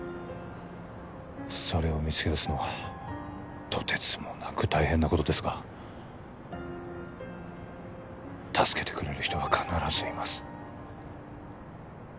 それを見つけ出すのはとてつもなく大変なことですが助けてくれる人は必ずいます